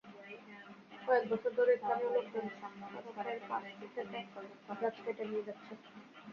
কয়েক বছর ধরে স্থানীয় লোকজন সড়কের পাশ থেকে গাছ কেটে নিয়ে যাচ্ছেন।